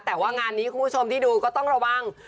แต่ว่างานนี้คุณผู้ชมที่ดูก็ต้องระวัง